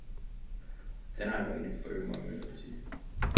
Then I waited for a moment or two.